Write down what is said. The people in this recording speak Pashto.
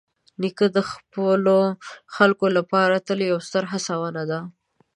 نیکه د خپلو خلکو لپاره تل یوه ستره هڅونه ده.